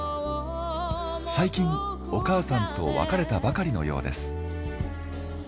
最近お母さんと別れたばかりのようです。